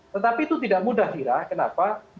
tetapi itu tidak mudah kira kenapa